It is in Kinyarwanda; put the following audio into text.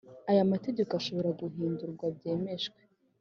Aya mategekom ashobora guhindurwa byemejwe